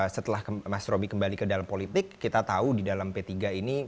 setelah mas roby kembali ke dalam politik kita tahu di dalam p tiga ini